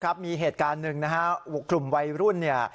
มีเหตุการณ์หนึ่งนะฮะกลุ่มวัยรุ่นเนี่ย